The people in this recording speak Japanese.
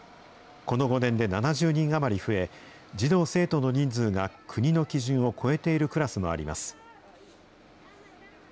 この５年で７０人余り増え、児童・生徒の人数が国の基準を超えているクラスもあります。